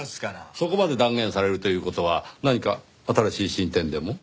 そこまで断言されるという事は何か新しい進展でも？